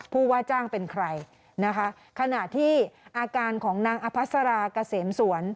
ผู้ว่าจ้างเป็นใครนะคะขณะที่อาการของนางอภัสราเกษมสวน